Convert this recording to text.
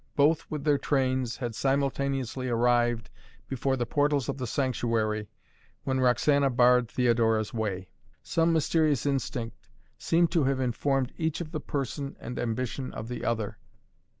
Both, with their trains, had simultaneously arrived before the portals of the sanctuary when Roxana barred Theodora's way. Some mysterious instinct seemed to have informed each of the person and ambition of the other.